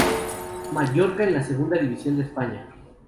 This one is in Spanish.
Mallorca en la Segunda División de España.